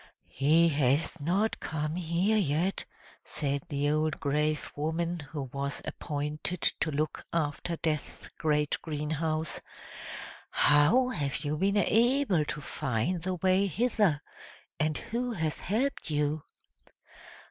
"He has not come here yet!" said the old grave woman, who was appointed to look after Death's great greenhouse! "How have you been able to find the way hither? And who has helped you?"